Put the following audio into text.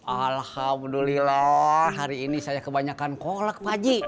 alhamdulillah hari ini saya kebanyakan kolek pak haji